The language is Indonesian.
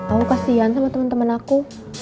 oh kasihan sama temen temen aku